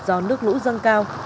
do nước lũ dâng cao